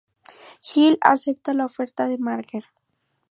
Gil acepta la oferta de Marge.